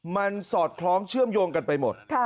มันสอดคล้องเชื่อมโยงกันไปหมด